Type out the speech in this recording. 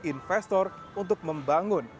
investor untuk membangun